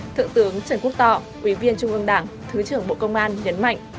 thượng tướng trần quốc tỏ ủy viên trung ương đảng thứ trưởng bộ công an nhấn mạnh